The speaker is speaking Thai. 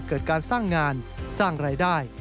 เกิดการสร้างงานสร้างรายได้